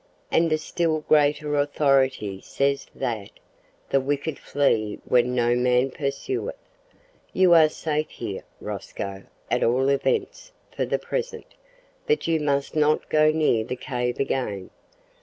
And a still greater authority says that `the wicked flee when no man pursueth.' You are safe here, Rosco at all events for the present. But you must not go near the cave again.